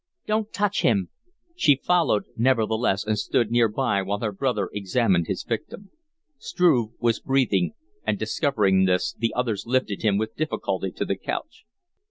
"Don't touch him!" She followed, nevertheless, and stood near by while her brother examined his victim. Struve was breathing, and, discovering this, the others lifted him with difficulty to the couch.